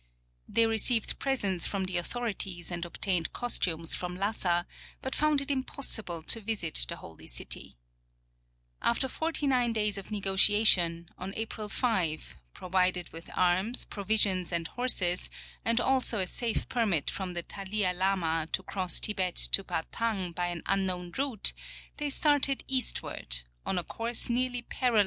They received presents from the au thorities and obtained costumes from Lassa, but found it impos sible to visit the "holy city." After 49 days of negotiation, on April 5, provided with arms, provisions and horses, and also a safe permit from the Talia lama to cross Tibet to Batang by an unknown route, they started eastward, on a course nearly paral Statistics of Bail ways in United States.